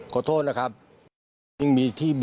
กลัวโดนตีอ้าวหลวงตีอ้าว